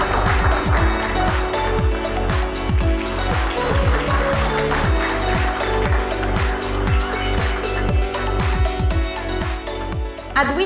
ketemu lagi di acara ini